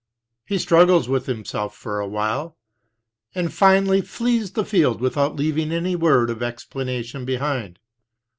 He struggles with himself for a while, and finally flees the field without leaving any word of explana tion behind.